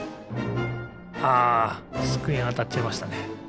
あつくえにあたっちゃいましたね。